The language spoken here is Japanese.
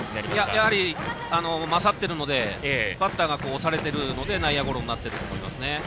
やはり勝っているのでバッターが押されているので内野ゴロになっていると思いますね。